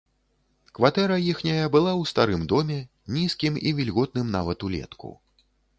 Кватэра іхняя была ў старым доме, нізкім і вільготным нават улетку.